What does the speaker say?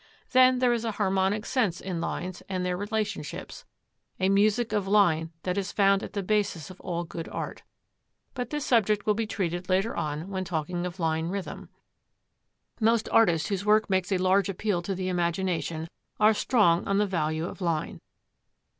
Then there is a harmonic sense in lines and their relationships, a music of line that is found at the basis of all good art. But this subject will be treated later on when talking of line rhythm. Most artists whose work makes a large appeal to the imagination are strong on the value of line.